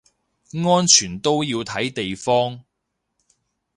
安全都要睇地方